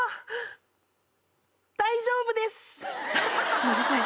すいません。